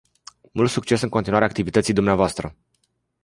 Mult succes în continuarea activității dvs.